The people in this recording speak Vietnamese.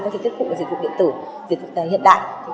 có thể tiếp cận về dịch vụ điện tử hiện đại